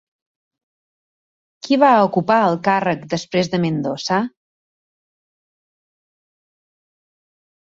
Qui va ocupar el càrrec després de Mendoza?